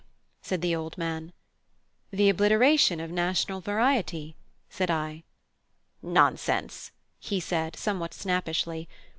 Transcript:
said the old man. "The obliteration of national variety," said I. "Nonsense," he said, somewhat snappishly.